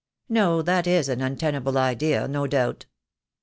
"No, that is an untenable idea, no doubt."